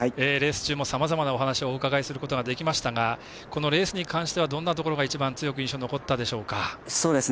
レース中もさまざまなお話をお伺いすることができましたがこのレースに関してはどんなところが一番印象に残ったでしょうか。